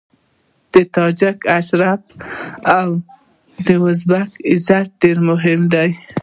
د تاجک شرف او د ازبک عزت ډېر مهم دی.